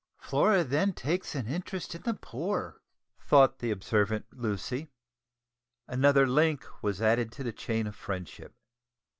Flora then takes an interest in the poor," thought the observant Lucy. Another link was added to the chain of friendship.